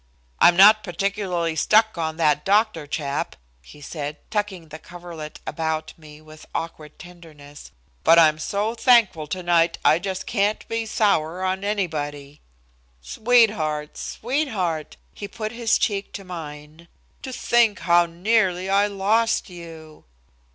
"I'm not particularly stuck on that doctor chap," he said, tucking the coverlet about me with awkward tenderness, "but I'm so thankful tonight I just can't be sour on anybody." "Sweetheart, sweetheart!" He put his cheek to mine. "To think how nearly I lost you!"